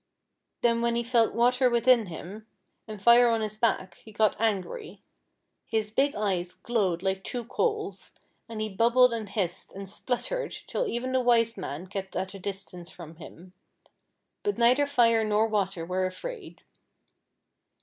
Then when he felt Water within him, and Fire on his back, he got angry. His big eyes glowed like two coals, and he bubbled and hissed and spluttered till even the Wise Man kept at a distance from him ; but neither Fire nor Water were afraid.